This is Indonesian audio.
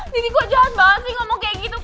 daddy kok tega banget sih ngomong kayak gitu